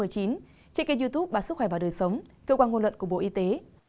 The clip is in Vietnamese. trên kênh youtube bà sức khỏe và đời sống cơ quan ngôn luận của bộ y tế